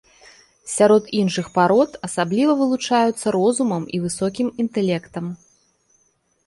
Сярод іншых парод асабліва вылучаюцца розумам і высокім інтэлектам.